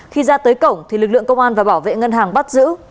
khi ra tới cổng thì lực lượng công an và bảo vệ ngân hàng bắt giữ